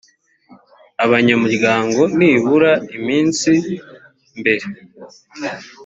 abanyamuryango nibura iminsi mbere